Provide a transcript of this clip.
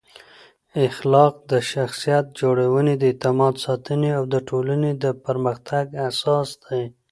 اخلاق د شخصیت جوړونې، د اعتماد ساتنې او د ټولنې د پرمختګ اساس دی.